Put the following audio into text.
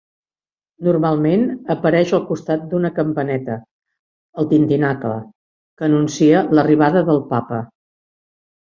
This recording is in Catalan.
Normalment apareix al costat d'una campaneta, el tintinacle, que anuncia l'arribada del Papa.